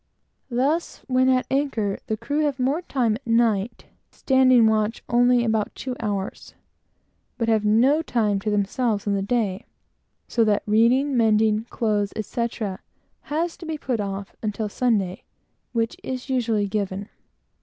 Thus, when at anchor, the crew have more time at night, (standing watch only about two hours,) but have no time to themselves in the day; so that reading, mending clothes, etc., has to be put off until Sunday, which is usually given.